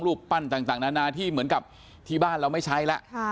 รูปปั้นต่างนานาที่เหมือนกับที่บ้านเราไม่ใช้แล้ว